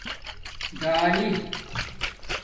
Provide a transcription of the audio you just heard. ڈالی